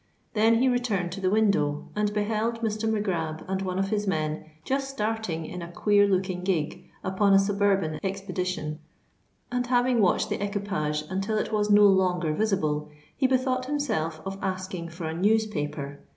Then he returned to the window, and beheld Mr. Mac Grab and one of his men just starting in a queer looking gig upon a suburban expedition; and having watched the equipage until it was no longer visible, he bethought himself of asking for a newspaper.